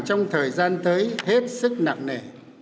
trong thời gian tới hết sức nặng nẻ